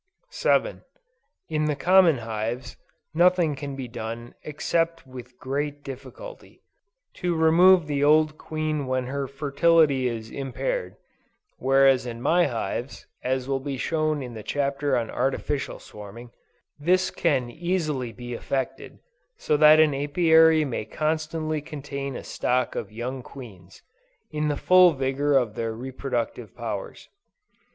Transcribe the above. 7. In the common hives, nothing can be done except with great difficulty, to remove the old queen when her fertility is impaired; whereas in my hives, (as will be shown in the Chapter on Artificial Swarming,) this can easily be effected, so that an Apiary may constantly contain a stock of young queens, in the full vigor of their re productive powers.